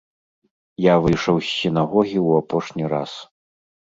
Я выйшаў з сінагогі ў апошні раз.